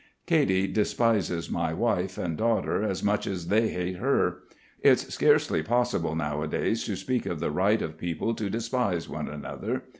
Katy despises my wife and daughter as much as they hate her. It's scarcely possible nowadays to speak of the right of people to despise one another.